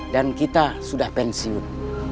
dan kita sudah pensiun